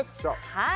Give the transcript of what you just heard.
はい